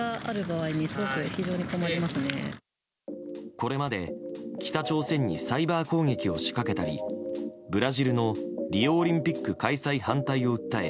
これまで、北朝鮮にサイバー攻撃を仕掛けたりブラジルのリオオリンピック開催反対を訴え